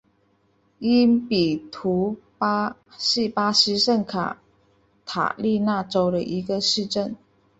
因比图巴是巴西圣卡塔琳娜州的一个市镇。